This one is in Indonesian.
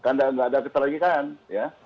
karena nggak ada keterlaluan ya